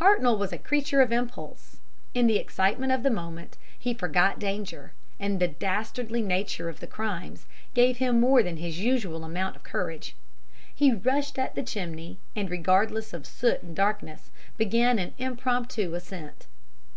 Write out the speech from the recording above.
"Hartnoll was a creature of impulse. In the excitement of the moment he forgot danger, and the dastardly nature of the crimes gave him more than his usual amount of courage. He rushed at the chimney, and, regardless of soot and darkness, began an impromptu ascent.